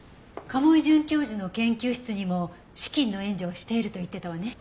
賀茂井准教授の研究室にも資金の援助をしていると言っていたわね。